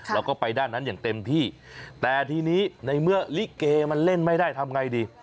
แล้วก็ไปด้านนั้นอย่างเต็มที่แต่ทีนี้ในเมื่อลิเกมันเล่นไม่ได้ทำไงดี